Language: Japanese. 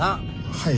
はい。